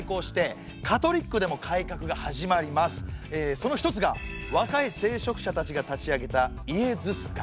その一つが若い聖職者たちが立ち上げたイエズス会。